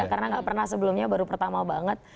karena nggak pernah sebelumnya baru pertama banget